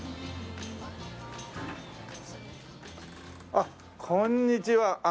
あっこんにちは。